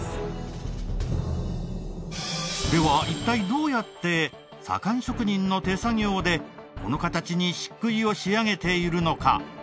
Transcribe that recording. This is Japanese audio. では一体どうやって左官職人の手作業でこの形に漆喰を仕上げているのか？